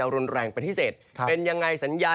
รุนแรงเป็นที่เสร็จ